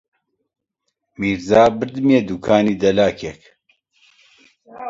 میرزا بردمییە دووکانی دەلاکێک